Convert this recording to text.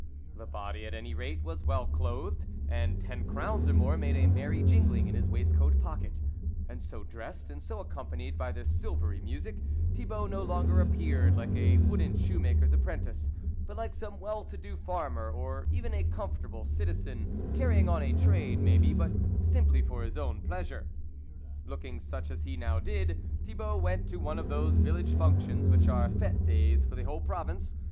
The body, at any rate was well clothed, and ten crowns or more made a merry jingling in his waistcoat pocket ; and so dressed, and so accompanied by this silvery music, Thibault no longer appeared like a wooden shoe maker's apprentice, but like some well to do farmer, or even a comfortable citizen, carrying on a trade maybe, but simply for his own pleasure. Looking such as he now did, Thibault went to one of those vil lage functions, which are fete days for the whole province.